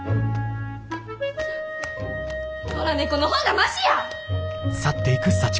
野良猫の方がマシや！